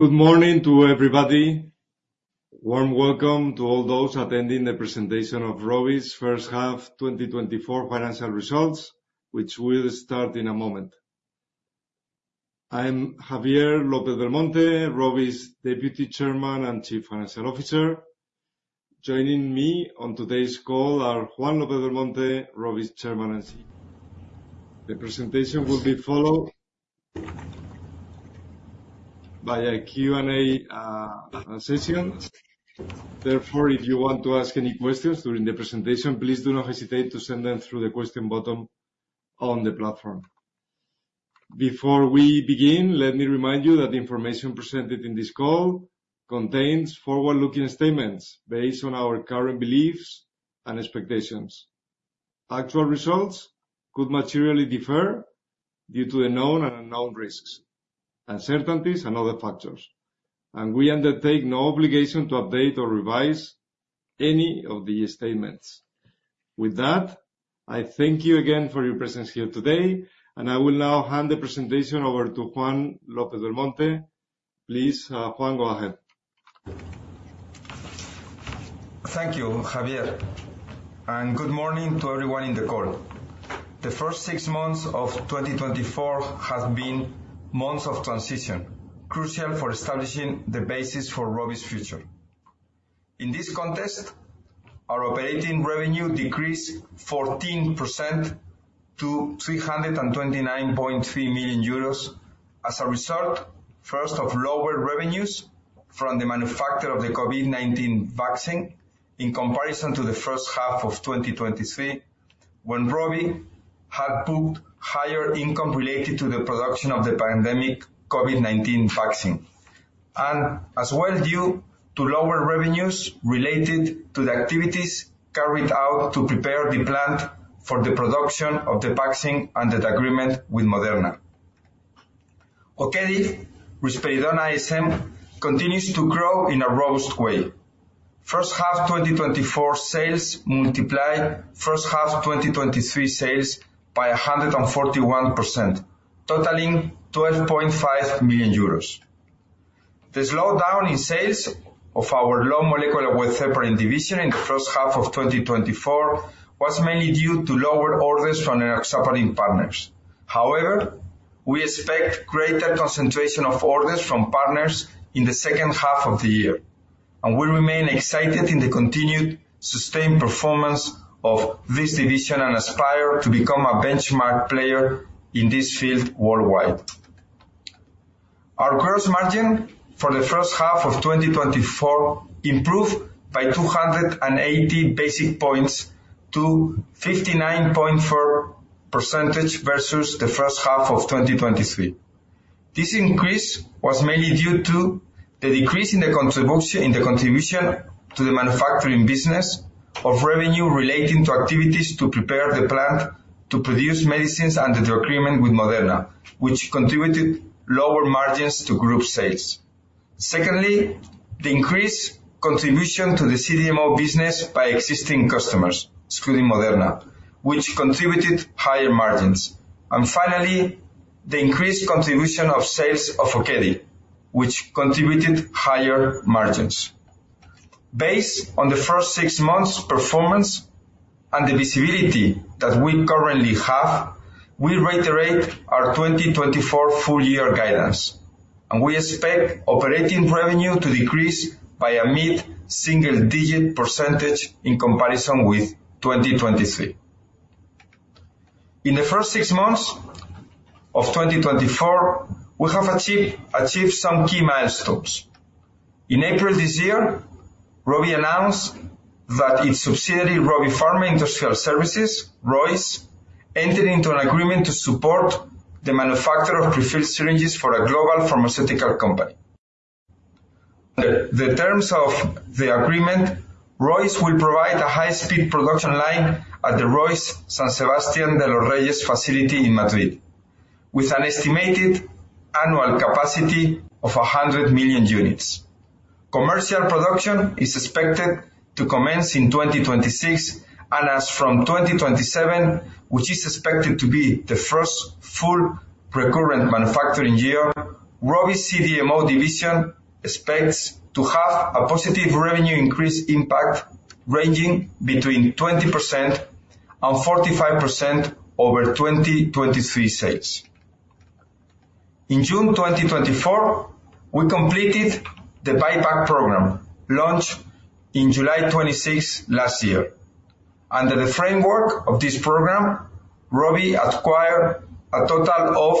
Good morning to everybody. Warm welcome to all those attending the presentation of Rovi's first half 2024 financial results, which will start in a moment. I am Javier López-Belmonte, Rovi's Deputy Chairman and Chief Financial Officer. Joining me on today's call are Juan López-Belmonte, Rovi's Chairman and CEO. The presentation will be followed by a Q&A session. Therefore, if you want to ask any questions during the presentation, please do not hesitate to send them through the question button on the platform. Before we begin, let me remind you that the information presented in this call contains forward-looking statements based on our current beliefs and expectations. Actual results could materially differ due to the known and unknown risks, uncertainties, and other factors, and we undertake no obligation to update or revise any of these statements. With that, I thank you again for your presence here today, and I will now hand the presentation over to Juan López-Belmonte. Please, Juan, go ahead. Thank you, Javier, and good morning to everyone in the call. The first six months of 2024 have been months of transition, crucial for establishing the basis for Rovi's future. In this context, our operating revenue decreased 14% to 329.3 million. As a result, first, of lower revenues from the manufacture of the COVID-19 vaccine in comparison to the first half of 2023, when Rovi had booked higher income related to the production of the pandemic COVID-19 vaccine, and as well due to lower revenues related to the activities carried out to prepare the plant for the production of the vaccine under the agreement with Moderna. Okedi, risperidone ISM, continues to grow in a robust way. First half, 2024 sales multiplied first half, 2023 sales by 141%, totaling 12.5 million euros. The slowdown in sales of our low molecular weight heparin division in the first half of 2024 was mainly due to lower orders from our heparin partners. However, we expect greater concentration of orders from partners in the second half of the year, and we remain excited in the continued sustained performance of this division and aspire to become a benchmark player in this field worldwide. Our gross margin for the first half of 2024 improved by 280 basis points to 59.4% versus the first half of 2023. This increase was mainly due to the decrease in the contribution to the manufacturing business of revenue relating to activities to prepare the plant to produce medicines under the agreement with Moderna, which contributed lower margins to group sales. Secondly, the increased contribution to the CDMO business by existing customers, excluding Moderna, which contributed higher margins. And finally, the increased contribution of sales of Okedi, which contributed higher margins. Based on the first six months' performance and the visibility that we currently have, we reiterate our 2024 full year guidance, and we expect operating revenue to decrease by a mid-single digit percentage in comparison with 2023. In the first six months of 2024, we have achieved some key milestones. In April this year, Rovi announced that its subsidiary, Rovi Pharma Industrial Services, ROIS, entered into an agreement to support the manufacture of prefilled syringes for a global pharmaceutical company. The terms of the agreement, ROIS will provide a high-speed production line at the ROIS San Sebastián de los Reyes facility in Madrid, with an estimated annual capacity of 100 million units. Commercial production is expected to commence in 2026, and as from 2027, which is expected to be the first full recurrent manufacturing year, Rovi CDMO division expects to have a positive revenue increase impact ranging between 20% and 45% over 2023 sales. In June 2024, we completed the buyback program launched in July 26th last year. Under the framework of this program, Rovi acquired a total of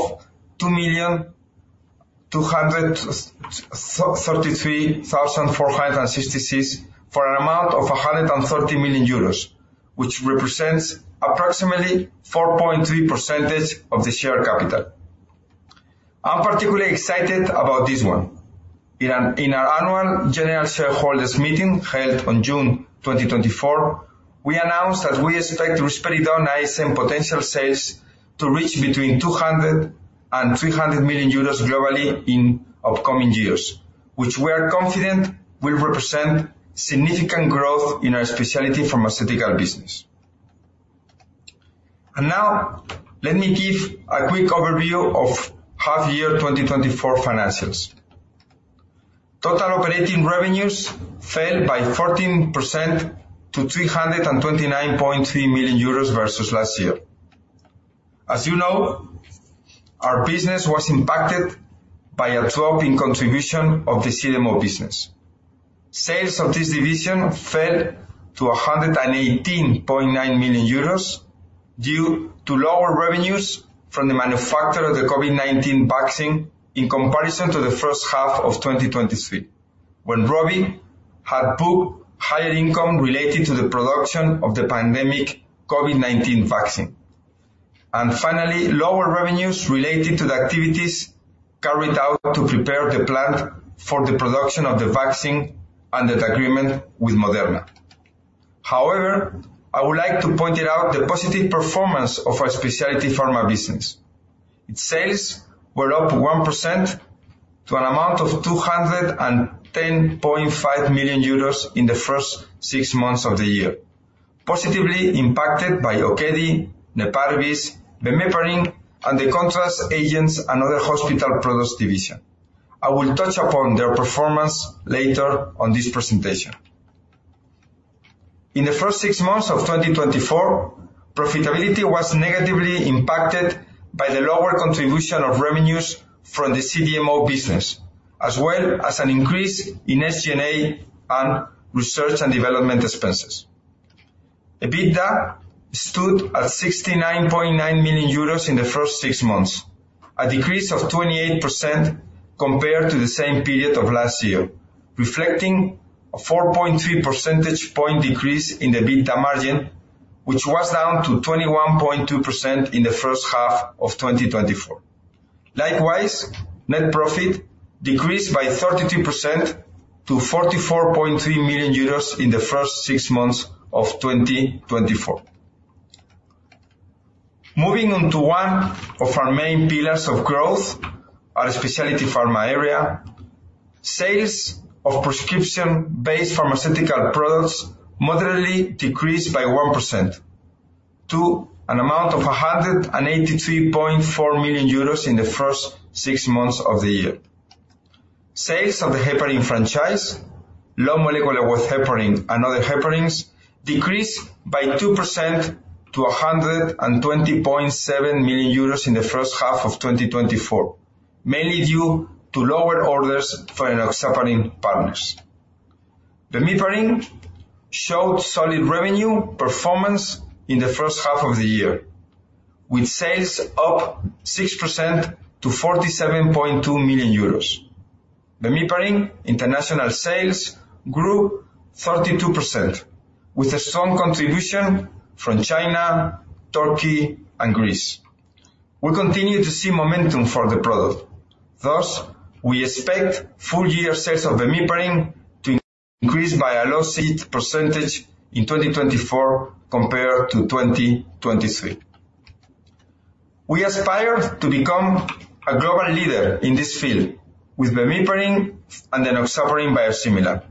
2,233,466, for an amount of 130 million euros, which represents approximately 4.3% of the share capital. I'm particularly excited about this one. In our Annual General Shareholders Meeting, held on June 2024, we announced that we expect risperidone ISM potential sales to reach between 200 million euros and 300 million euros globally in upcoming years, which we are confident will represent significant growth in our specialty pharmaceutical business... Now, let me give a quick overview of half year 2024 financials. Total operating revenues fell by 14% to 329.3 million euros versus last year. As you know, our business was impacted by a drop in contribution of the CDMO business. Sales of this division fell to 118.9 million euros, due to lower revenues from the manufacture of the COVID-19 vaccine in comparison to the first half of 2023, when Rovi had booked higher income related to the production of the pandemic COVID-19 vaccine. Finally, lower revenues related to the activities carried out to prepare the plant for the production of the vaccine under the agreement with Moderna. However, I would like to point it out, the positive performance of our specialty pharma business. Its sales were up 1% to an amount of 210.5 million euros in the first six months of the year, positively impacted by Okedi, Neparvis, Bemiparin, and the contrast agents and other hospital products division. I will touch upon their performance later on this presentation. In the first six months of 2024, profitability was negatively impacted by the lower contribution of revenues from the CDMO business, as well as an increase in SG&A and research and development expenses. EBITDA stood at 69.9 million euros in the first six months, a decrease of 28% compared to the same period of last year, reflecting a 4.3 percentage point decrease in the EBITDA margin, which was down to 21.2% in the first half of 2024. Likewise, net profit decreased by 32% to 44.3 million euros in the first six months of 2024. Moving on to one of our main pillars of growth, our specialty pharma area, sales of prescription-based pharmaceutical products moderately decreased by 1% to an amount of 183.4 million euros in the first six months of the year. Sales of the heparin franchise, low molecular weight heparin and other heparins, decreased by 2% to 120.7 million euros in the first half of 2024, mainly due to lower orders for Enoxaparin partners. Bemiparin showed solid revenue performance in the first half of the year, with sales up 6% to 47.2 million euros. Bemiparin international sales grew 32%, with a strong contribution from China, Turkey, and Greece. We continue to see momentum for the product. Thus, we expect full year sales of Bemiparin to increase by a low single-digit percentage in 2024 compared to 2023. We aspire to become a global leader in this field, with Bemiparin and Enoxaparin biosimilar.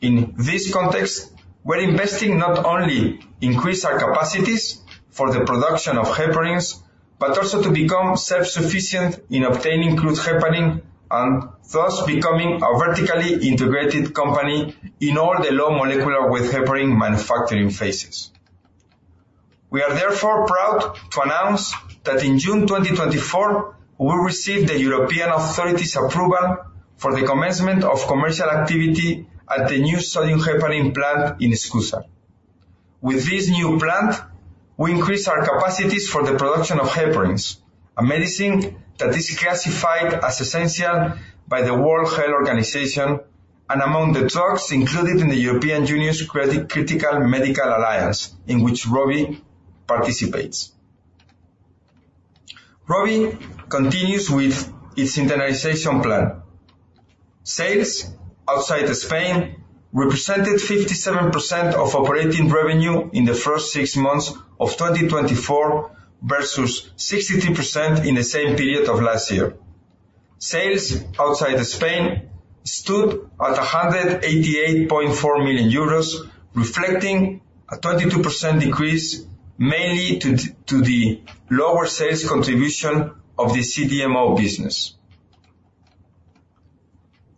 In this context, we're investing not only to increase our capacities for the production of heparins, but also to become self-sufficient in obtaining crude heparin, and thus becoming a vertically integrated company in all the low molecular weight heparin manufacturing phases. We are therefore proud to announce that in June 2024, we received the European authorities' approval for the commencement of commercial activity at the new sodium heparin plant in Escúzar. With this new plant, we increase our capacities for the production of heparins, a medicine that is classified as essential by the World Health Organization, and among the drugs included in the European Union's Critical Medicines Alliance, in which Rovi participates. Rovi continues with its internationalization plan. Sales outside Spain represented 57% of operating revenue in the first six months of 2024, versus 62% in the same period of last year. Sales outside Spain stood at 188.4 million euros, reflecting a 22% decrease, mainly to the lower sales contribution of the CDMO business.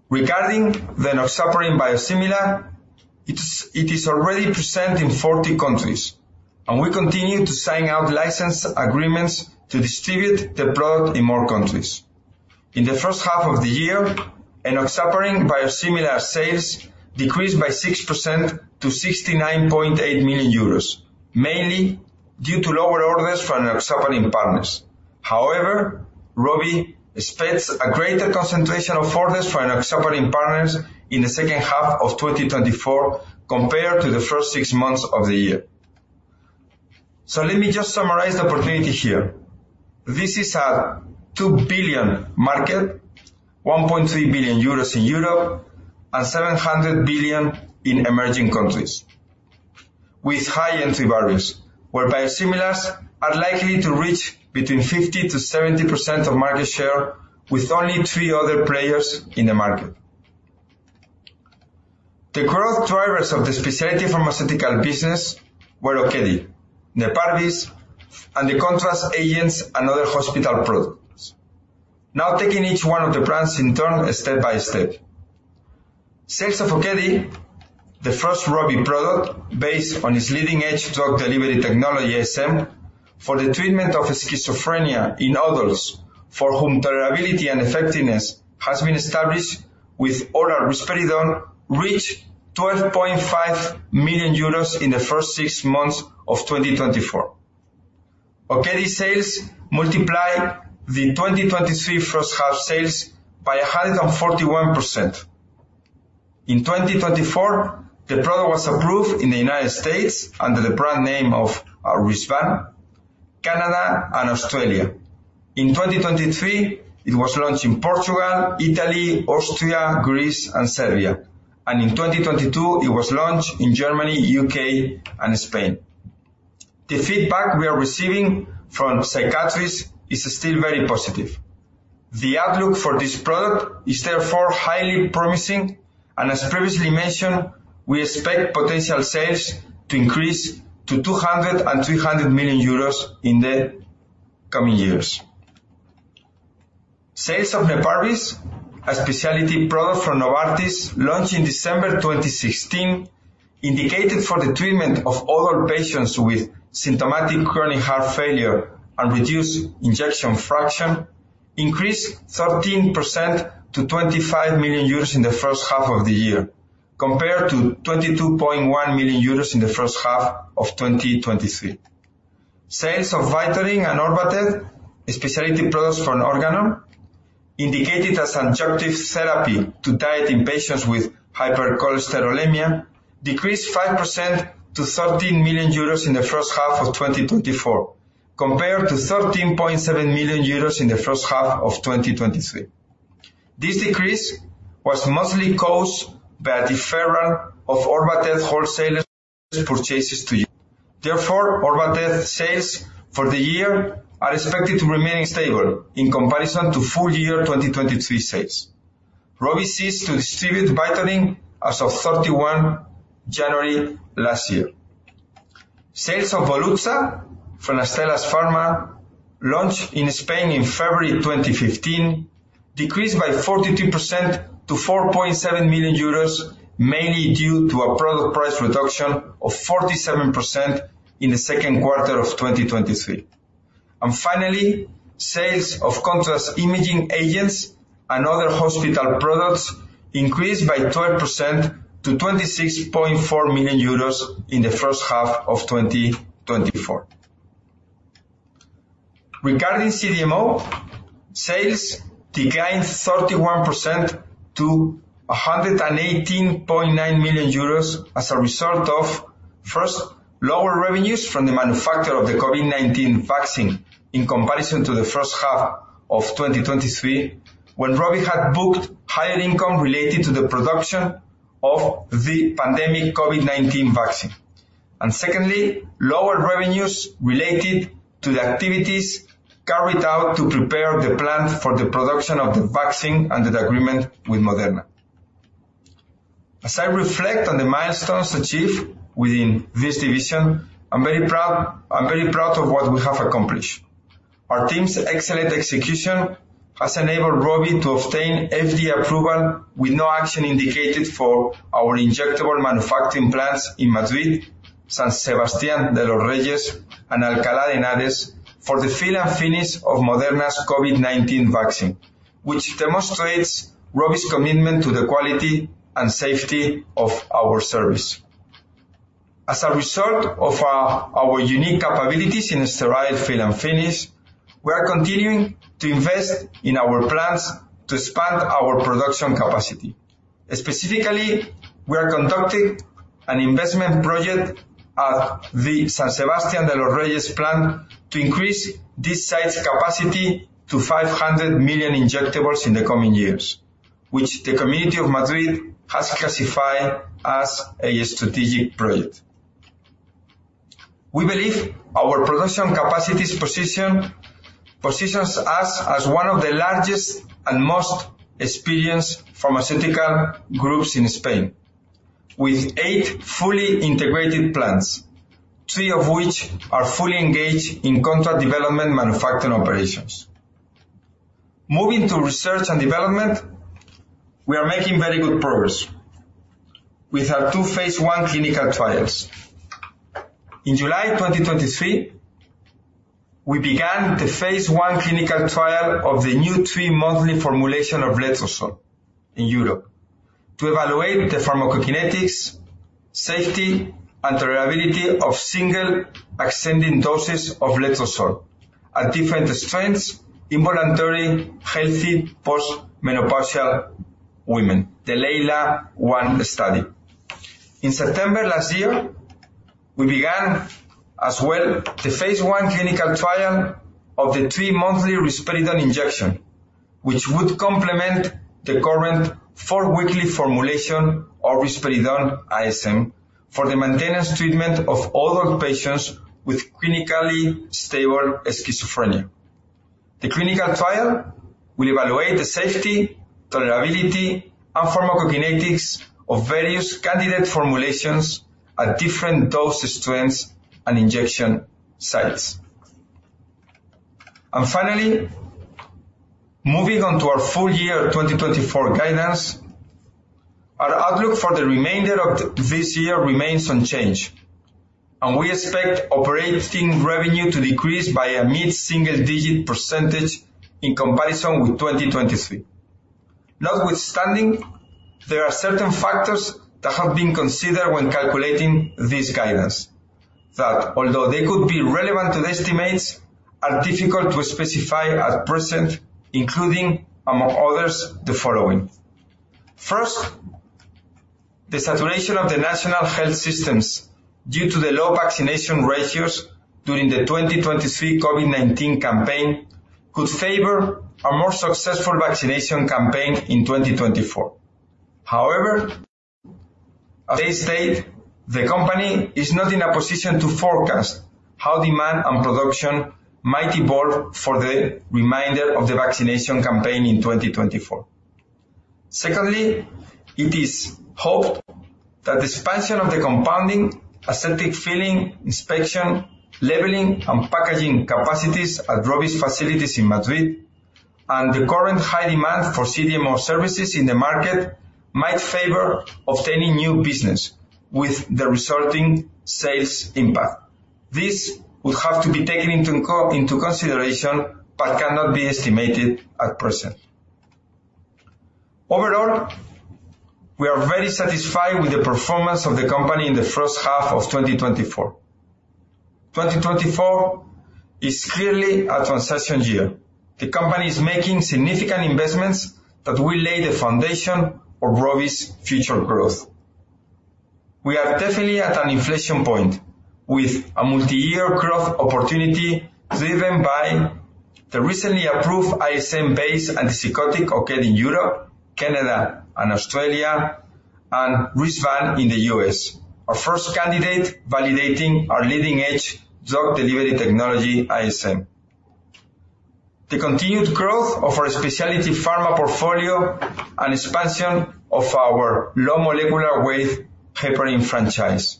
Regarding the Enoxaparin biosimilar, it's, it is already present in 40 countries, and we continue to sign out license agreements to distribute the product in more countries. In the first half of the year, Enoxaparin biosimilar sales decreased by 6% to 69.8 million euros, mainly due to lower orders from Enoxaparin partners. However, Rovi expects a greater concentration of orders for Enoxaparin partners in the second half of 2024, compared to the first six months of the year. So let me just summarize the opportunity here. This is a 2 billion market, 1.3 billion euros in Europe, and 700 million in emerging countries, with high entry barriers, where biosimilars are likely to reach between 50%-70% of market share, with only three other players in the market. The growth drivers of the specialty pharmaceutical business were Okedi, Neparvis, and the contrast agents and other hospital products. Now, taking each one of the brands in turn step by step. Sales of Okedi, the first Rovi product based on its leading-edge drug delivery technology ISM, for the treatment of schizophrenia in adults for whom tolerability and effectiveness has been established with oral risperidone, reached 12.5 million euros in the first six months of 2024. Okedi sales multiplied the 2023 first half sales by 141%. In 2024, the product was approved in the United States under the brand name of Risvan, Canada, and Australia. In 2023, it was launched in Portugal, Italy, Austria, Greece, and Serbia, and in 2022, it was launched in Germany, U.K., and Spain. The feedback we are receiving from psychiatrists is still very positive. The outlook for this product is therefore highly promising, and as previously mentioned, we expect potential sales to increase to 200 million-300 million euros in the coming years. Sales of Neparvis, a specialty product from Novartis, launched in December 2016, indicated for the treatment of older patients with symptomatic chronic heart failure and reduced ejection fraction, increased 13% to 25 million euros in the first half of the year, compared to 22.1 million euros in the first half of 2023. Sales of Vytorin and Orvatez, specialty products from Organon, indicated as adjunctive therapy to diet in patients with hypercholesterolemia, decreased 5% to 13 million euros in the first half of 2024, compared to 13.7 million euros in the first half of 2023. This decrease was mostly caused by a deferral of Orvatez wholesalers' purchases to you. Therefore, Orvatez sales for the year are expected to remain stable in comparison to full year 2023 sales. Rovi ceased to distribute Vytorin as of 31 January last year. Sales of Volutsa from Astellas Pharma, launched in Spain in February 2015, decreased by 42% to 4.7 million euros, mainly due to a product price reduction of 47% in the second quarter of 2023. Finally, sales of contrast imaging agents and other hospital products increased by 12% to 26.4 million euros in the first half of 2024. Regarding CDMO, sales declined 31% to 118.9 million euros as a result of, first, lower revenues from the manufacture of the COVID-19 vaccine in comparison to the first half of 2023, when Rovi had booked higher income related to the production of the pandemic COVID-19 vaccine. And secondly, lower revenues related to the activities carried out to prepare the plant for the production of the vaccine under the agreement with Moderna. As I reflect on the milestones achieved within this division, I'm very proud, I'm very proud of what we have accomplished. Our team's excellent execution has enabled Rovi to obtain FDA approval, with no action indicated for our injectable manufacturing plants in Madrid, San Sebastián de los Reyes, and Alcalá de Henares, for the fill and finish of Moderna's COVID-19 vaccine, which demonstrates Rovi's commitment to the quality and safety of our service. As a result of our unique capabilities in sterile fill and finish, we are continuing to invest in our plans to expand our production capacity. Specifically, we are conducting an investment project at the San Sebastián de los Reyes plant to increase this site's capacity to 500 million injectables in the coming years, which the Community of Madrid has classified as a strategic project. We believe our production capacity positions us as one of the largest and most experienced pharmaceutical groups in Spain, with eight fully integrated plants, three of which are fully engaged in contract development manufacturing operations. Moving to research and development, we are making very good progress with our two phase 1 clinical trials. In July 2023, we began the phase 1 clinical trial of the new three-monthly formulation of letrozole in Europe to evaluate the pharmacokinetics, safety, and tolerability of single ascending doses of letrozole at different strengths in voluntary, healthy, post-menopausal women, the LEILA-1 study. In September last year, we began as well, the phase 1 clinical trial of the three-monthly risperidone injection, which would complement the current four-weekly formulation of Risperidone ISM for the maintenance treatment of older patients with clinically stable schizophrenia. The clinical trial will evaluate the safety, tolerability, and pharmacokinetics of various candidate formulations at different dose strengths and injection sites. Finally, moving on to our full year 2024 guidance, our outlook for the remainder of this year remains unchanged, and we expect operating revenue to decrease by a mid-single-digit % in comparison with 2023. Notwithstanding, there are certain factors that have been considered when calculating this guidance, that although they could be relevant to the estimates, are difficult to specify at present, including, among others, the following. First, the saturation of the national health systems due to the low vaccination ratios during the 2023 COVID-19 campaign, could favor a more successful vaccination campaign in 2024. However, at this state, the company is not in a position to forecast how demand and production might evolve for the remainder of the vaccination campaign in 2024. Secondly, it is hoped that expansion of the compounding, aseptic filling, inspection, labeling, and packaging capacities at ROVI's facilities in Madrid, and the current high demand for CDMO services in the market, might favor obtaining new business with the resulting sales impact. This will have to be taken into consideration, but cannot be estimated at present. Overall, we are very satisfied with the performance of the company in the first half of 2024. 2024 is clearly a transition year. The company is making significant investments that will lay the foundation for ROVI's future growth. We are definitely at an inflection point, with a multi-year growth opportunity, driven by the recently approved ISM-based antipsychotic, Okedi in Europe, Canada, and Australia, and Risvan in the US. Our first candidate, validating our leading-edge drug delivery technology, ISM. The continued growth of our specialty pharma portfolio and expansion of our low molecular weight heparin franchise.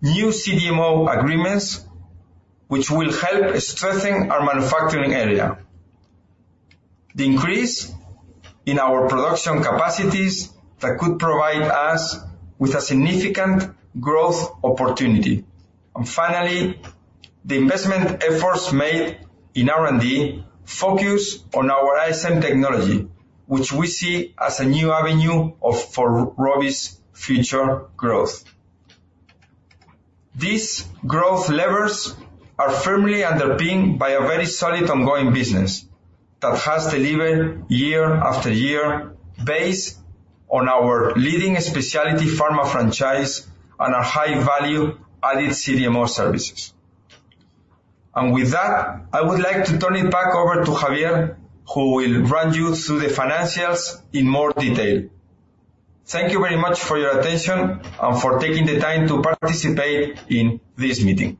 New CDMO agreements, which will help strengthen our manufacturing area. The increase in our production capacities that could provide us with a significant growth opportunity. And finally, the investment efforts made in R&D focus on our ISM technology, which we see as a new avenue for Rovi's future growth. These growth levers are firmly underpinned by a very solid, ongoing business that has delivered year after year, based on our leading specialty pharma franchise and our high value added CDMO services. With that, I would like to turn it back over to Javier, who will run you through the financials in more detail. Thank you very much for your attention and for taking the time to participate in this meeting.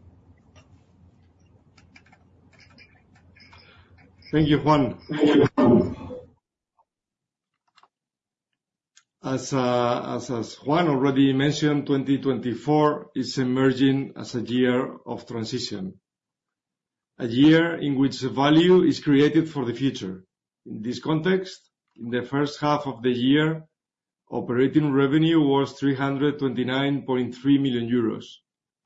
Thank you, Juan. As, as Juan already mentioned, 2024 is emerging as a year of transition. A year in which value is created for the future. In this context, in the first half of the year, operating revenue was 329.3 million euros,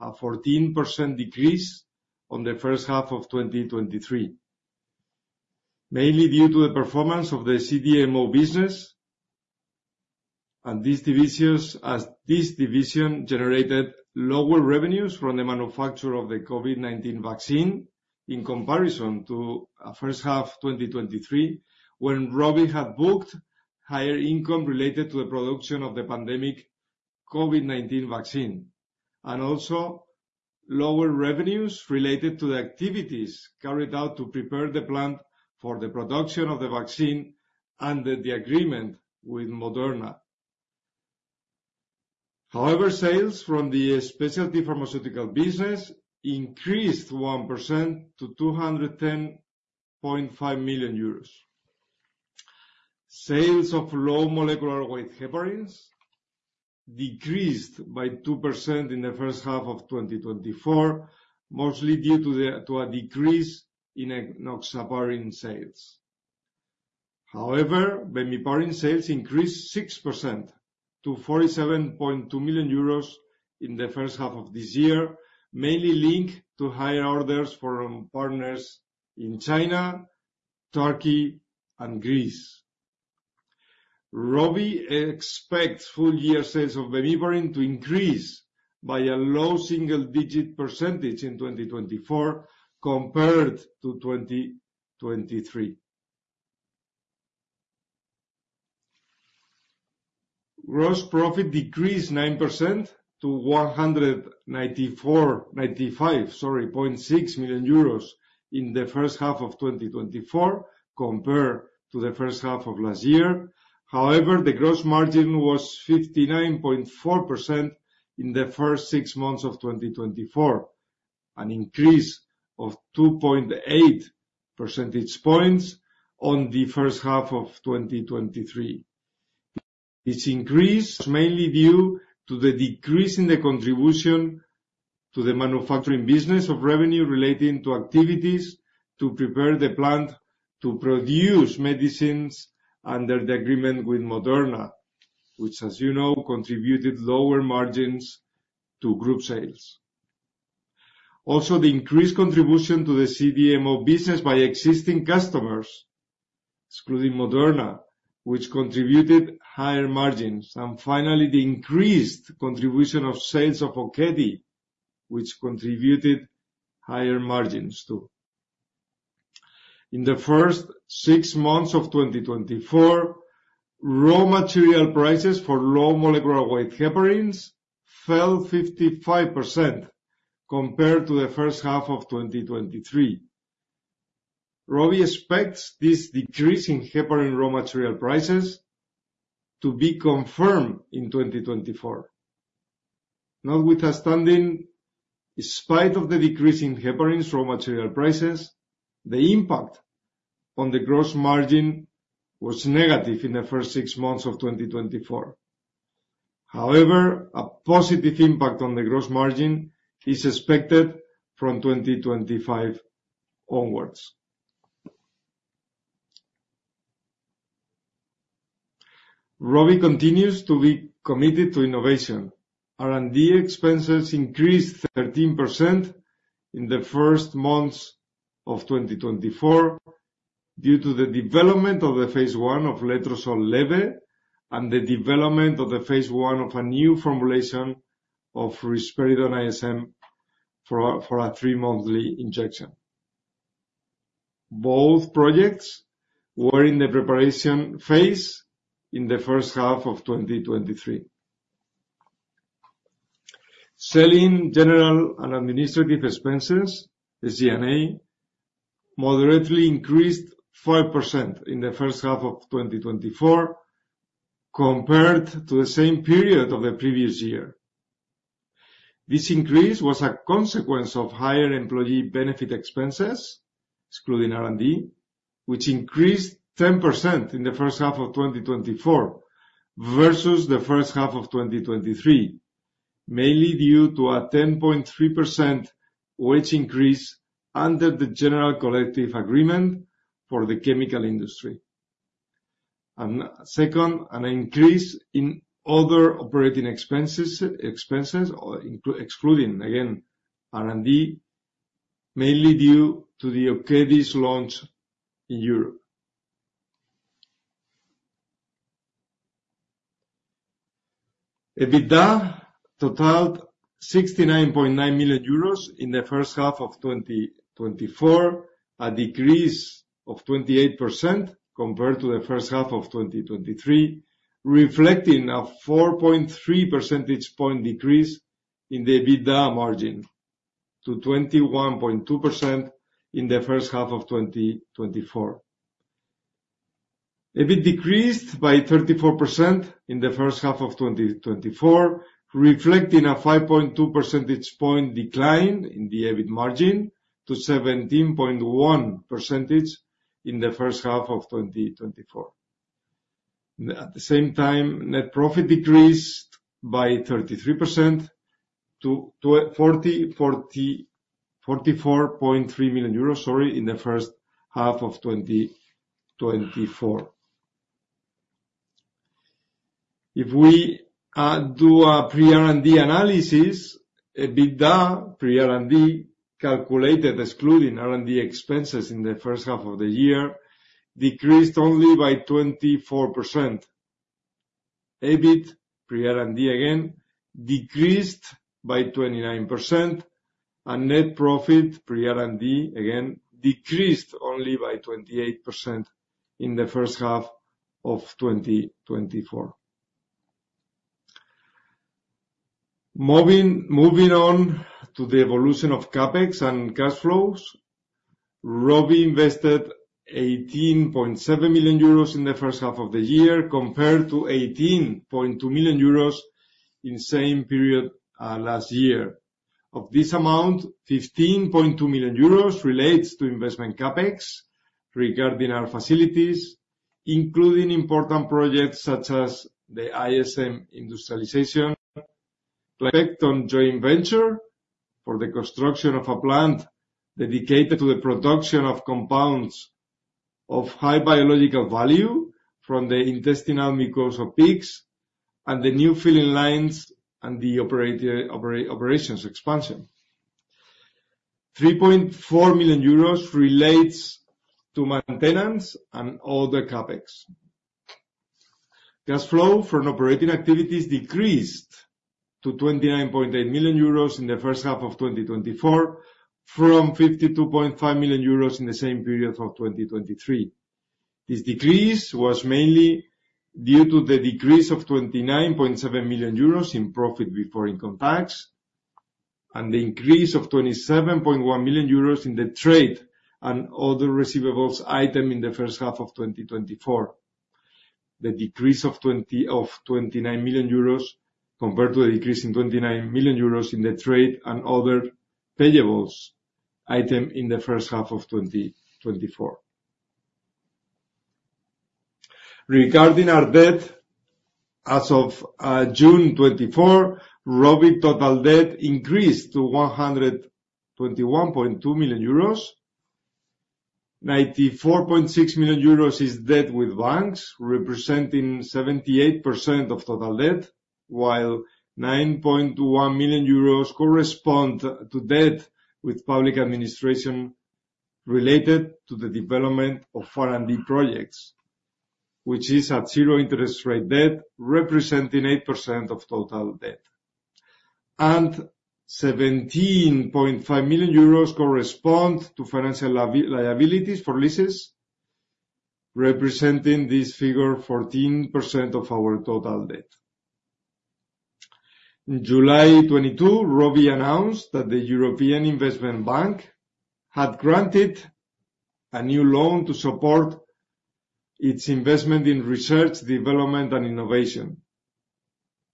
a 14% decrease on the first half of 2023. Mainly due to the performance of the CDMO business, and this division's, as this division generated lower revenues from the manufacture of the COVID-19 vaccine, in comparison to first half 2023, when Rovi had booked higher income related to the production of the pandemic COVID-19 vaccine. And also, lower revenues related to the activities carried out to prepare the plant for the production of the vaccine under the agreement with Moderna. However, sales from the specialty pharmaceutical business increased 1% to 210.5 million euros. Sales of low molecular weight heparins decreased by 2% in the first half of 2024, mostly due to a decrease in enoxaparin sales. However, Bemiparin sales increased 6% to 47.2 million euros in the first half of this year, mainly linked to higher orders from partners in China, Turkey, and Greece. Rovi expects full year sales of Bemiparin to increase by a low single-digit percentage in 2024, compared to 2023. Gross profit decreased 9% to 195.6 million euros in the first half of 2024, compared to the first half of last year. However, the gross margin was 59.4%... In the first six months of 2024, an increase of 2.8 percentage points on the first half of 2023. This increase, mainly due to the decrease in the contribution to the manufacturing business of revenue relating to activities to prepare the plant to produce medicines under the agreement with Moderna, which, as you know, contributed lower margins to group sales. Also, the increased contribution to the CDMO business by existing customers, excluding Moderna, which contributed higher margins. And finally, the increased contribution of sales of Okedi, which contributed higher margins, too. In the first six months of 2024, raw material prices for low molecular weight heparins fell 55% compared to the first half of 2023. Rovi expects this decrease in heparin raw material prices to be confirmed in 2024. Notwithstanding, in spite of the decrease in heparin's raw material prices, the impact on the gross margin was negative in the first six months of 2024. However, a positive impact on the gross margin is expected from 2025 onwards. Rovi continues to be committed to innovation. R&D expenses increased 13% in the first months of 2024 due to the development of the phase 1 of Letrozole LEBE and the development of the phase 1 of a new formulation of Risperidone ISM for a three-monthly injection. Both projects were in the preparation phase in the first half of 2023. Selling, general, and administrative expenses, the SG&A, moderately increased 5% in the first half of 2024, compared to the same period of the previous year. This increase was a consequence of higher employee benefit expenses, excluding R&D, which increased 10% in the first half of 2024 versus the first half of 2023, mainly due to a 10.3% wage increase under the general collective agreement for the chemical industry. Second, an increase in other operating expenses excluding, again, R&D, mainly due to Okedi's launch in Europe. EBITDA totaled 69.9 million euros in the first half of 2024, a decrease of 28% compared to the first half of 2023, reflecting a 4.3 percentage point decrease in the EBITDA margin to 21.2% in the first half of 2024. EBIT decreased by 34% in the first half of 2024, reflecting a 5.2% point decline in the EBIT margin to 17.1% in the first half of 2024. At the same time, net profit decreased by 33% to 44.3 million euros, sorry, in the first half of 2024. If we do a pre-R&D analysis, EBITDA pre-R&D, calculated excluding R&D expenses in the first half of the year, decreased only by 24%. EBIT pre-R&D, again, decreased by 29%, and net profit, pre-R&D, again, decreased only by 28% in the first half of 2024. Moving on to the evolution of CapEx and cash flows. Rovi invested 18.7 million euros in the first half of the year, compared to 18.2 million euros in same period last year. Of this amount, 15.2 million euros relates to investment CapEx regarding our facilities, including important projects such as the ISM industrialization, and the joint venture for the construction of a plant dedicated to the production of compounds of high biological value from the intestinal mucosa of pigs, and the new filling lines, and the operations expansion. 3.4 million euros relates to maintenance and all the CapEx. Cash flow from operating activities decreased to 29.8 million euros in the first half of 2024, from 52.5 million euros in the same period of 2023. This decrease was mainly due to the decrease of 29.7 million euros in profit before income tax... and the increase of 27.1 million euros in the trade and other receivables item in the first half of 2024. The decrease of 29 million euros compared to a decrease in 29 million euros in the trade and other payables item in the first half of 2024. Regarding our debt, as of June 2024, ROVI total debt increased to 121.2 million euros, 94.6 million euros is debt with banks, representing 78% of total debt, while 9.1 million euros correspond to debt with public administration related to the development of R&D projects, which is at zero interest rate debt, representing 8% of total debt. And 17.5 million euros correspond to financial liabilities for leases, representing this figure 14% of our total debt. In July 2022, ROVI announced that the European Investment Bank had granted a new loan to support its investment in research, development, and innovation.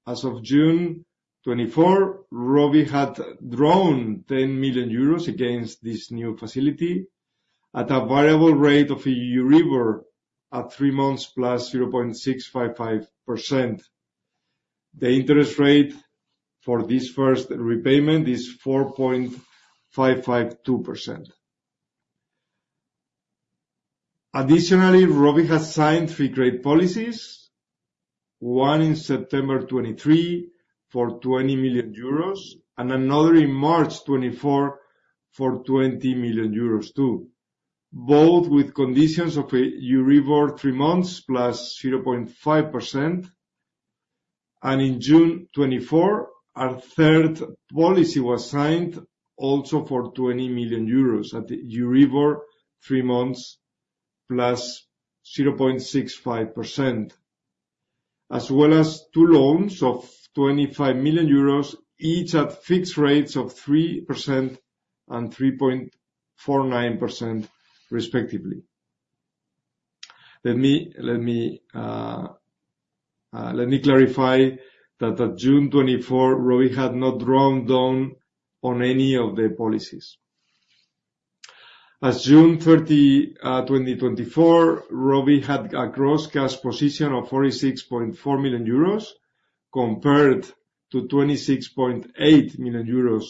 As of June 2024, ROVI had drawn 10 million euros against this new facility at a variable rate of EURIBOR at three months plus 0.655%. The interest rate for this first repayment is 4.552%. Additionally, ROVI has signed three trade policies, one in September 2023 for 20 million euros, and another in March 2024 for 20 million euros, too, both with conditions of a EURIBOR three months plus 0.5%. In June 2024, a third policy was signed, also for 20 million euros at the EURIBOR three months plus 0.65%, as well as two loans of 25 million euros, each at fixed rates of 3% and 3.49% respectively. Let me clarify that at June 2024, ROVI had not drawn down on any of the policies. As June 30, 2024, ROVI had a gross cash position of 46.4 million euros compared to 26.8 million euros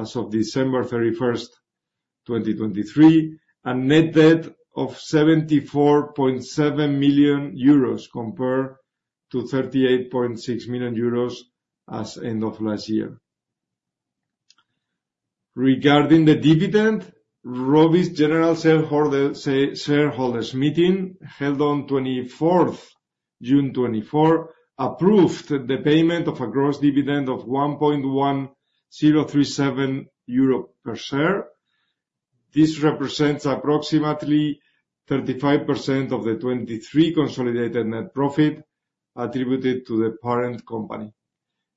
as of December 31, 2023, a net debt of 74.7 million euros compared to 38.6 million euros as end of last year. Regarding the dividend, ROVI's general shareholders meeting, held on 24th June 2024, approved the payment of a gross dividend of 1.1037 euro per share. This represents approximately 35% of the 2023 consolidated net profit attributed to the parent company.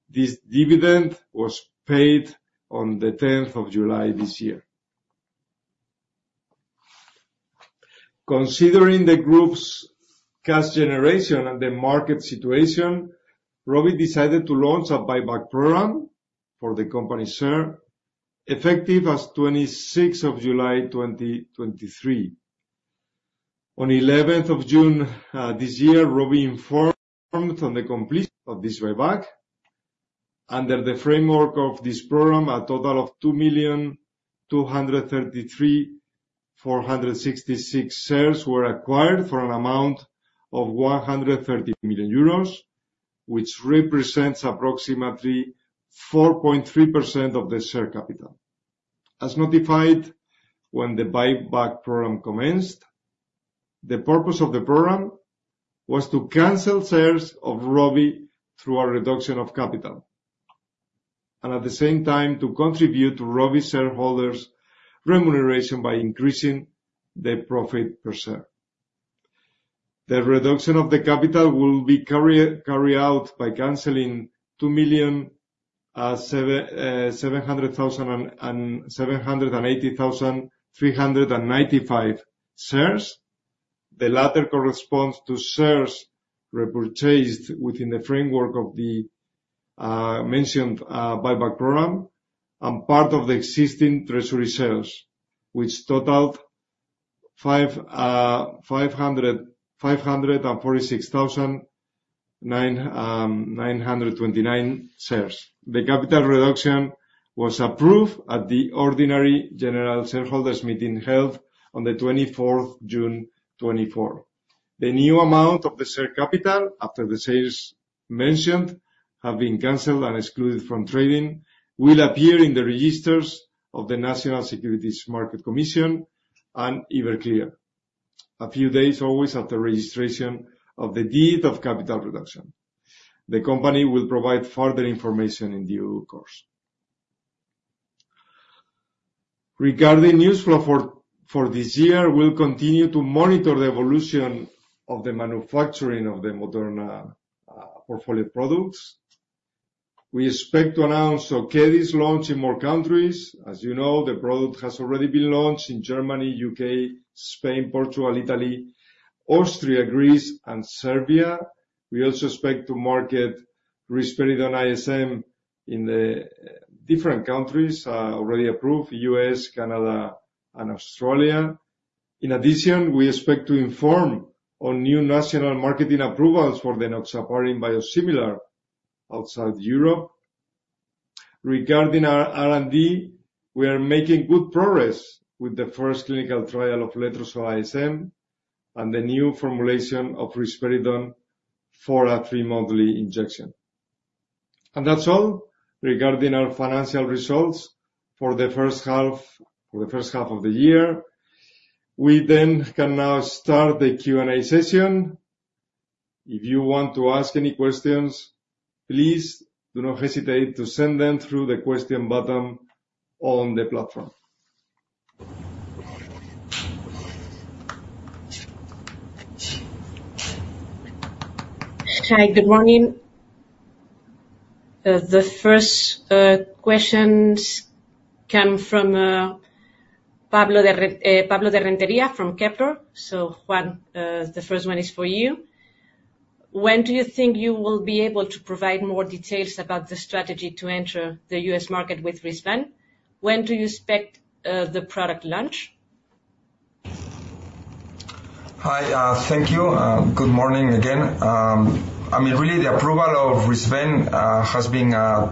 This dividend was paid on the 10th of July this year. Considering the group's cash generation and the market situation, ROVI decided to launch a buyback program for the company share, effective as of the 26th of July, 2023. On the 11th of June, this year, ROVI informed on the completion of this buyback. Under the framework of this program, a total of 2,233,466 shares were acquired for an amount of 130 million euros, which represents approximately 4.3% of the share capital. As notified when the buyback program commenced, the purpose of the program was to cancel shares of ROVI through a reduction of capital, and at the same time, to contribute to ROVI shareholders' remuneration by increasing the profit per share. The reduction of the capital will be carried out by canceling 2,780,395 shares. The latter corresponds to shares repurchased within the framework of the mentioned buyback program and part of the existing treasury shares, which total 546,929 shares. The capital reduction was approved at the ordinary general shareholders meeting held on the twenty-fourth June, 2024. The new amount of the share capital, after the shares mentioned have been canceled and excluded from trading, will appear in the registers of the National Securities Market Commission and Iberclear. A few days, always after registration of the deed of capital reduction, the company will provide further information in due course. Regarding news flow for this year, we'll continue to monitor the evolution of the manufacturing of the Moderna portfolio products. We expect to announce Okedi launch in more countries. As you know, the product has already been launched in Germany, U.K., Spain, Portugal, Italy, Austria, Greece and Serbia. We also expect to market Risperidone ISM in the different countries already approved: U.S., Canada and Australia. In addition, we expect to inform on new national marketing approvals for the Enoxaparin biosimilar outside Europe. Regarding our R&D, we are making good progress with the first clinical trial of Letrozole ISM, and the new formulation of Risperidone for a three-monthly injection. That's all regarding our financial results for the first half of the year. We can now start the Q&A session. If you want to ask any questions, please do not hesitate to send them through the question button on the platform. Hi, good morning. The first questions come from Pablo de Rentería from Kepler. So Juan, the first one is for you. When do you think you will be able to provide more details about the strategy to enter the U.S. market with Risvan? When do you expect the product launch? Hi, thank you. Good morning again. I mean, really, the approval of Risvan has been, I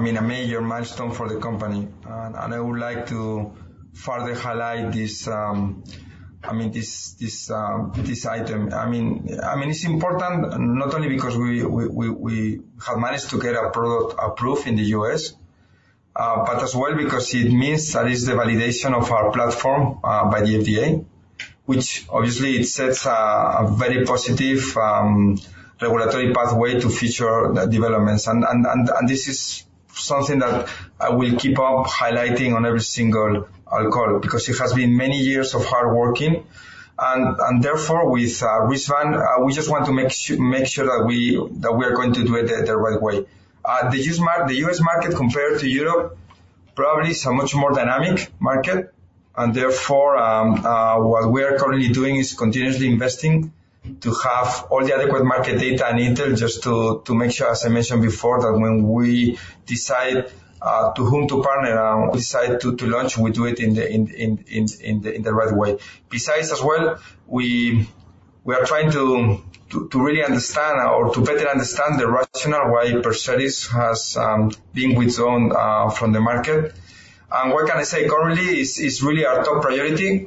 mean, a major milestone for the company. And I would like to further highlight this, I mean, this this item. I mean, it's important not only because we have managed to get our product approved in the U.S., but as well because it means that is the validation of our platform by the FDA, which obviously it sets a very positive regulatory pathway to future developments. And this is something that I will keep on highlighting on every single call, because it has been many years of hard working. And therefore, with Risvan, we just want to make sure that we are going to do it the right way. The U.S. market, compared to Europe, probably is a much more dynamic market, and therefore, what we are currently doing is continuously investing to have all the adequate market data and intel, just to make sure, as I mentioned before, that when we decide to whom to partner and we decide to launch, we do it in the right way. Besides, as well, we are trying to really understand or to better understand the rationale why Perseris has been withdrawn from the market. And what can I say? Currently, it's really our top priority.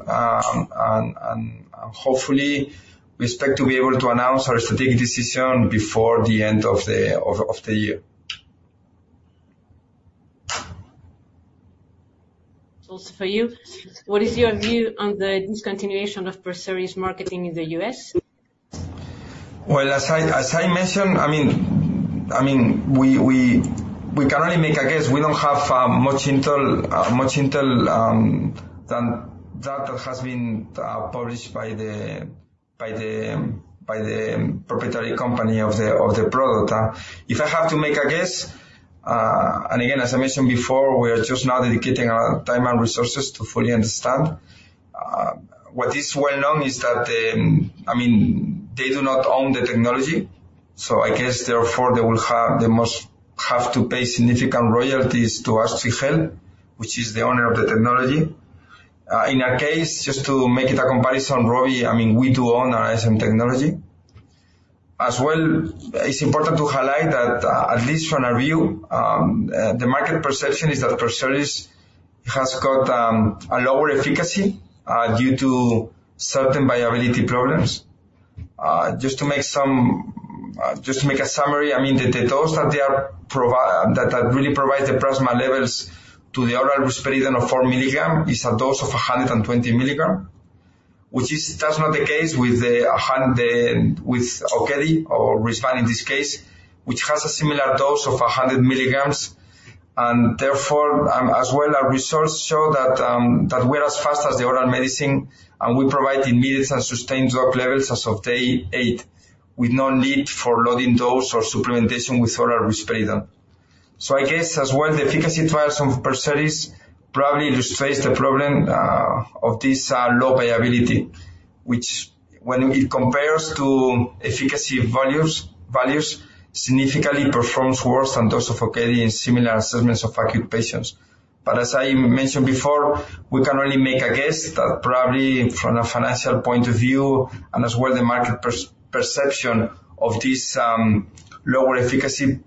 Hopefully, we expect to be able to announce our strategic decision before the end of the year. Also for you, what is your view on the discontinuation of Perseris marketing in the U.S.? Well, as I mentioned, I mean, we can only make a guess. We don't have much intel than that which has been published by the proprietary company of the product. If I have to make a guess, and again, as I mentioned before, we are just now dedicating our time and resources to fully understand. What is well known is that the... I mean, they do not own the technology, so I guess therefore, they will have, they must have to pay significant royalties to AstraZeneca, which is the owner of the technology. In our case, just to make it a comparison, ROVI, I mean, we do own our ISM technology. As well, it's important to highlight that, at least from our view, the market perception is that Perseris has got a lower efficacy due to certain bioavailability problems. Just to make a summary, I mean, the dose that really provides the plasma levels to the oral risperidone of 4 milligram is a dose of 120 milligram. Which is, that's not the case with a hundred, with Okedi, or Risvan in this case, which has a similar dose of 100 milligrams. And therefore, as well, our results show that we're as fast as the oral medicine, and we provide immediate and sustained drug levels as of day 8, with no need for loading dose or supplementation with oral risperidone. So I guess, as well, the efficacy trials of Perseris probably illustrates the problem of this low bioavailability, which when it compares to efficacy values significantly performs worse than those of Okedi in similar assessments of acute patients. But as I mentioned before, we can only make a guess that probably from a financial point of view, and as well, the market perception of this lower efficacy,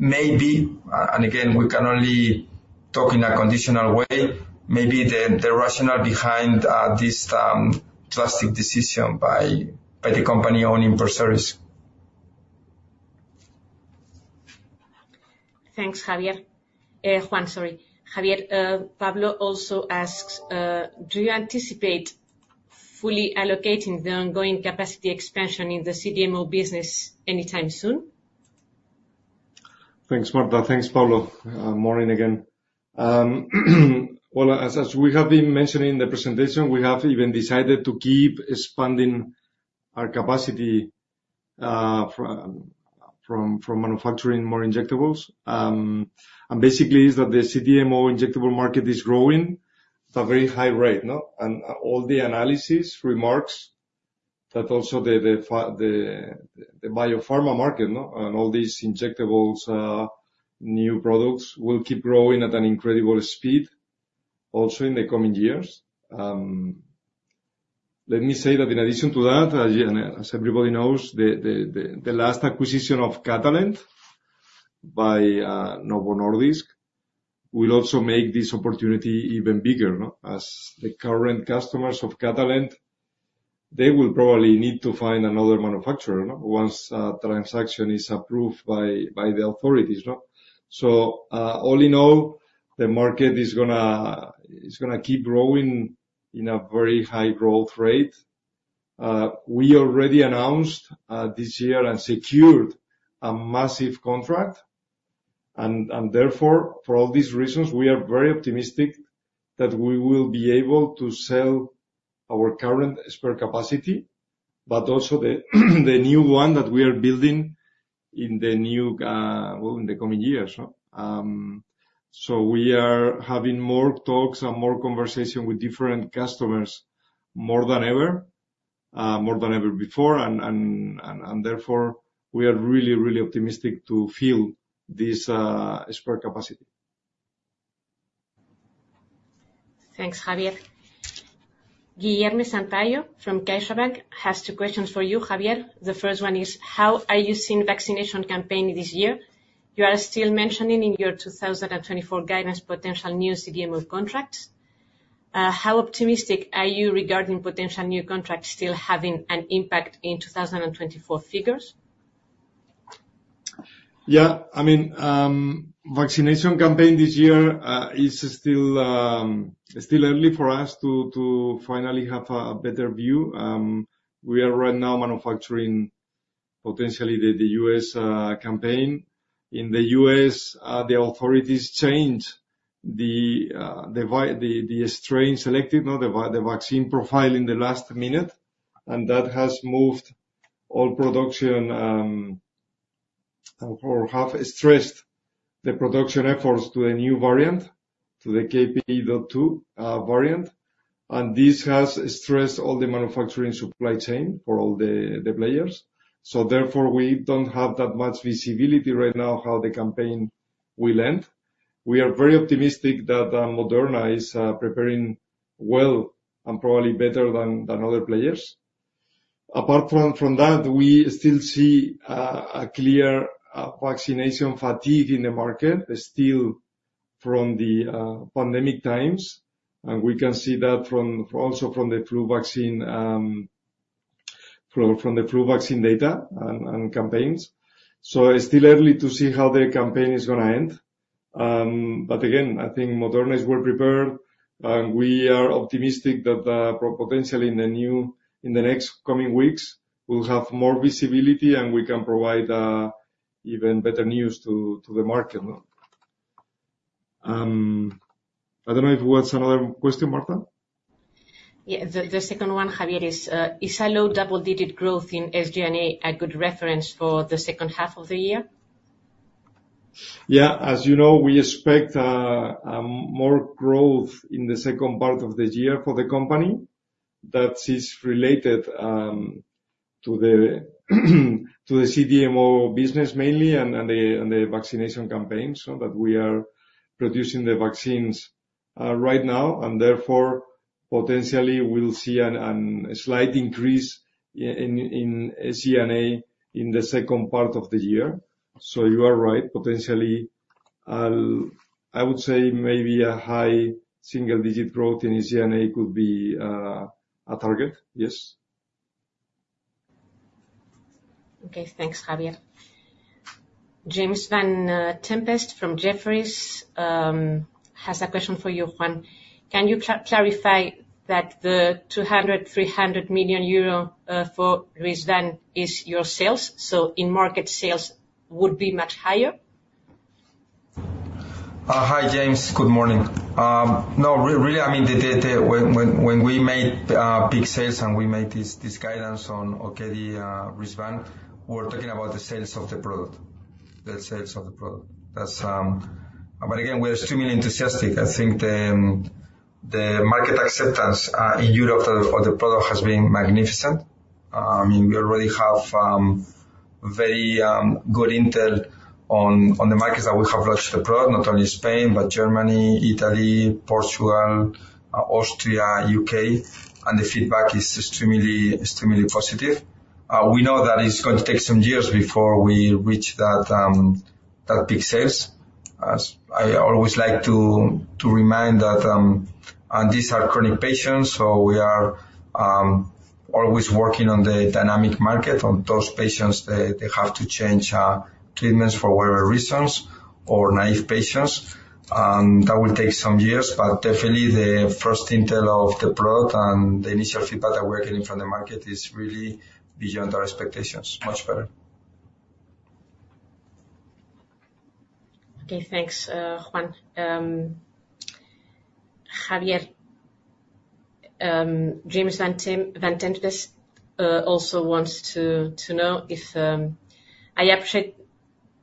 maybe, and again, we can only talk in a conditional way, maybe the rationale behind this drastic decision by the company owning Perseris. Thanks, Javier. Juan, sorry. Javier, Pablo also asks: Do you anticipate fully allocating the ongoing capacity expansion in the CDMO business anytime soon? Thanks, Marta. Thanks, Pablo. Morning again. Well, as we have been mentioning in the presentation, we have even decided to keep expanding our capacity, from manufacturing more injectables. And basically is that the CDMO injectable market is growing at a very high rate, no? And all the analysis remarks that also the biopharma market, no, and all these injectables new products will keep growing at an incredible speed also in the coming years. Let me say that in addition to that, yeah, and as everybody knows, the last acquisition of Catalent by Novo Holdings will also make this opportunity even bigger, no? As the current customers of Catalent, they will probably need to find another manufacturer, no? Once transaction is approved by the authorities, no. So, all in all, the market is gonna keep growing in a very high growth rate. We already announced this year and secured a massive contract, and therefore, for all these reasons, we are very optimistic that we will be able to sell our current spare capacity, but also the new one that we are building in the coming years. So we are having more talks and more conversation with different customers, more than ever, more than ever before, and therefore, we are really, really optimistic to fill this spare capacity. Thanks, Javier. Guilherme Sampaio from CaixaBank has two questions for you, Javier. The first one is: How are you seeing vaccination campaign this year? You are still mentioning in your 2024 guidance, potential new CDMO contracts. How optimistic are you regarding potential new contracts still having an impact in 2024 figures? Yeah. I mean, vaccination campaign this year is still early for us to finally have a better view. We are right now manufacturing, potentially, the U.S. campaign. In the U.S.the authorities changed the strain selected, no, the vaccine profile in the last minute, and that has moved all production or has stressed the production efforts to a new variant, to the KP.2 variant. And this has stressed all the manufacturing supply chain for all the players. So therefore, we don't have that much visibility right now, how the campaign will end. We are very optimistic that Moderna is preparing well and probably better than other players. Apart from that, we still see a clear vaccination fatigue in the market, still from the pandemic times. And we can see that from the flu vaccine data and campaigns. So it's still early to see how the campaign is gonna end. But again, I think Moderna is well prepared, and we are optimistic that potentially in the next coming weeks, we'll have more visibility, and we can provide even better news to the market, no. I don't know if what's another question, Marta? Yeah. The second one, Javier, is a low double-digit growth in SG&A a good reference for the second half of the year? Yeah. As you know, we expect more growth in the second part of this year for the company. That is related to the CDMO business mainly, and the vaccination campaign, so that we are producing the vaccines right now. And therefore, potentially we'll see a slight increase in SG&A in the second part of the year. So you are right. Potentially, I would say maybe a high single-digit growth in SG&A could be a target. Yes. Okay, thanks, Javier. James Vane-Tempest from Jefferies has a question for you, Juan. Can you clarify that the 200-300 million euro for Risvan is your sales, so in-market sales would be much higher? Hi, James. Good morning. No, really, I mean, the When we made big sales and we made this guidance on Okedi, Risvan, we're talking about the sales of the product, the sales of the product. That's, But again, we're extremely enthusiastic. I think the market acceptance in Europe of the product has been magnificent. We already have very good intel on the markets that we have launched the product, not only Spain, but Germany, Italy, Portugal, Austria, U.K., and the feedback is extremely, extremely positive. We know that it's going to take some years before we reach that big sales. As I always like to remind that, and these are chronic patients, so we are always working on the dynamic market, on those patients, they have to change treatments for whatever reasons or naive patients, and that will take some years, but definitely the first intel of the product and the initial feedback that we're getting from the market is really beyond our expectations, much better. Okay, thanks, Juan. Javier, James Vane-Tempest also wants to know if, I appreciate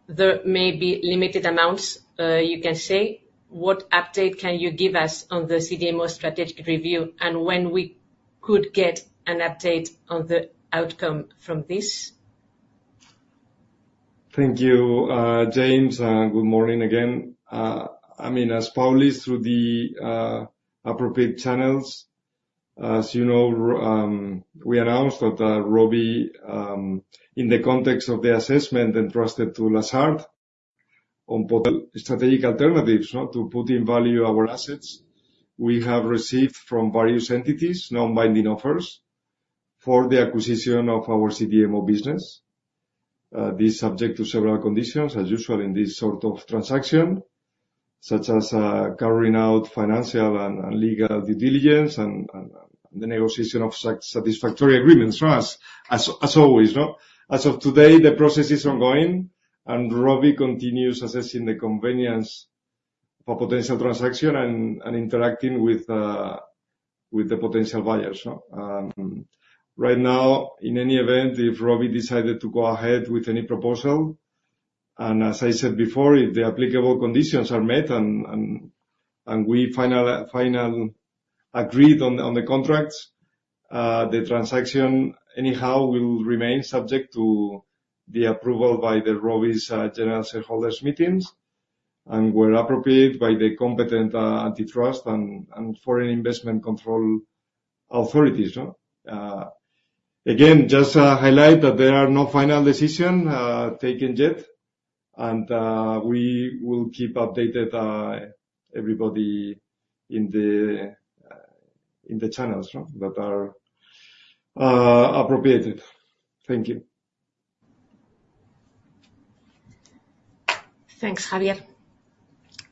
there may be limited amounts you can say, what update can you give us on the CDMO strategic review, and when we could get an update on the outcome from this? Thank you, James, and good morning again. I mean, as per the appropriate channels, as you know, we announced that Rovi, in the context of the assessment entrusted to Lazard on potential strategic alternatives, no, to put in value our assets. We have received from various entities, non-binding offers for the acquisition of our CDMO business. This subject to several conditions, as usual in this sort of transaction, such as carrying out financial and legal due diligence and the negotiation of satisfactory agreements for us, as always, no? As of today, the process is ongoing, and Rovi continues assessing the convenience for potential transaction and interacting with the potential buyers, no. Right now, in any event, if ROVI decided to go ahead with any proposal, and as I said before, if the applicable conditions are met and we finally agreed on the contracts, the transaction anyhow will remain subject to the approval by the ROVI's general shareholders meetings, and where appropriate, by the competent antitrust and foreign investment control authorities, no. Again, just to highlight that there are no final decision taken yet, and we will keep updated everybody in the channels that are appropriate. Thank you. Thanks, Javier.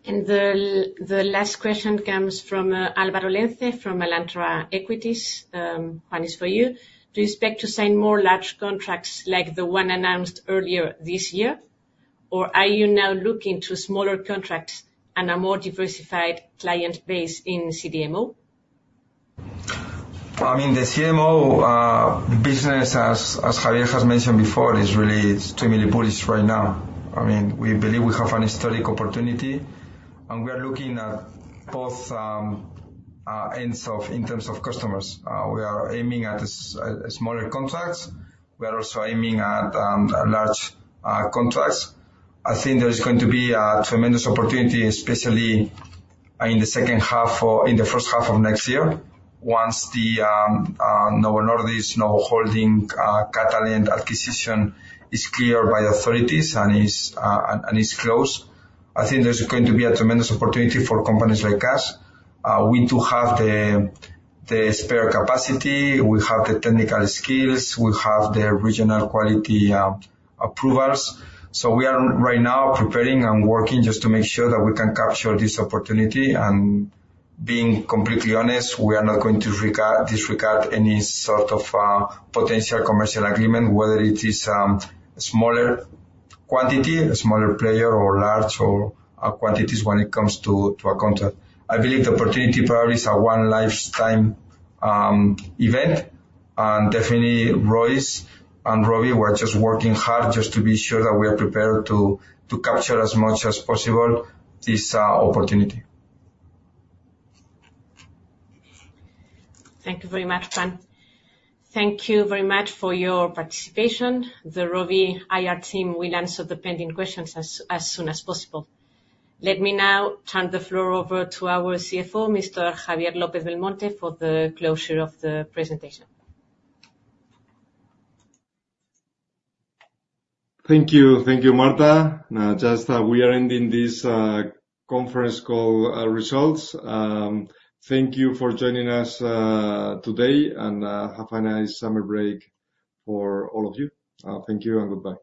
The last question comes from Álvaro Lenze from Alantra Equities. Juan, it's for you. Do you expect to sign more large contracts like the one announced earlier this year? Or are you now looking to smaller contracts and a more diversified client base in CDMO? I mean, the CDMO business, as Javier has mentioned before, is really extremely bullish right now. I mean, we believe we have an historic opportunity, and we are looking at both ends of... in terms of customers. We are aiming at smaller contracts. We are also aiming at large contracts. I think there is going to be a tremendous opportunity, especially in the second half or in the first half of next year, once the Novo Nordisk, Novo Holdings Catalent acquisition is cleared by the authorities and is closed. I think there's going to be a tremendous opportunity for companies like us. We do have the spare capacity, we have the technical skills, we have the regional quality approvals. So we are right now preparing and working just to make sure that we can capture this opportunity. And being completely honest, we are not going to disregard any sort of potential commercial agreement, whether it is smaller quantity, a smaller player or large quantities when it comes to a contract. I believe the opportunity probably is a once-in-a-lifetime event. And definitely, ROVI, we're just working hard just to be sure that we are prepared to capture as much as possible, this opportunity. Thank you very much, Juan. Thank you very much for your participation. The Rovi IR team will answer the pending questions as soon as possible. Let me now turn the floor over to our CFO, Mr. Javier López-Belmonte, for the closure of the presentation. Thank you. Thank you, Marta. Just, we are ending this conference call results. Thank you for joining us today, and have a nice summer break for all of you. Thank you and goodbye.